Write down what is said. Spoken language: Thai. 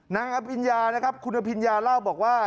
อภิญญานะครับคุณอภิญญาเล่าบอกว่า